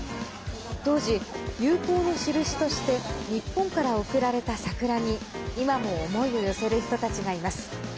当時、友好の印として日本から贈られた桜に今も思いを寄せる人たちがいます。